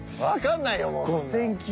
わかんないよ